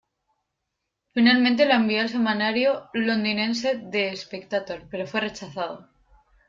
Finalmente, lo envió al semanario londinense "The Spectator", pero fue rechazado.